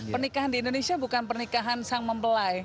pernikahan di indonesia bukan pernikahan sang mempelai